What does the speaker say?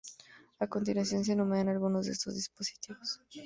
A continuación, se enumeran algunos de estos dispositivos.